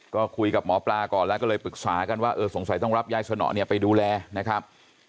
ก็คุยกับหมอปลาก่อนแล้วก็เลยปรึกษากันว่าเออสงสัยต้องรับยายสนอเนี่ยไปดูแลนะครับ